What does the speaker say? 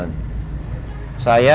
zaini kan situasi lagi gak aman